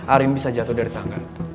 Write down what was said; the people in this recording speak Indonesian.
arin bisa jatuh dari tangan